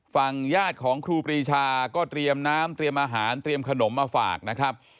ฝั่งญาติของครูปรีชาก็เตรียมน้ำเตรียมอาหารเตรียมขนมมาฝากนะครับ